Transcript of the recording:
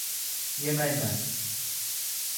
Yemayman!